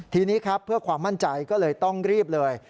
ทีนี้ครับเพื่อความมั่นใจก็เลยต้องรีบเลย